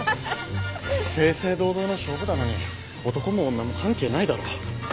正々堂々の勝負だのに男も女も関係ないだろ。